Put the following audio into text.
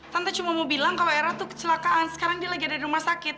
tante cuma mau bilang kalau era tuh kecelakaan sekarang dia lagi ada di rumah sakit